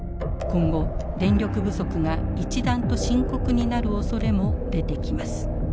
今後電力不足が一段と深刻になるおそれも出てきます。